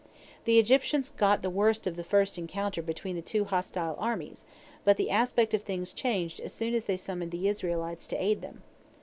The Egyptians got the worst of the first encounter between the two hostile armies, but the aspect of things changed as soon as they summoned the Israelites to aid them.